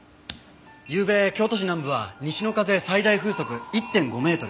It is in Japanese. ゆうべ京都市南部は西の風最大風速１．５メートル。